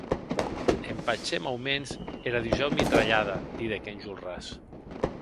Empachem aumens era dusau mitralhada, didec Enjolras.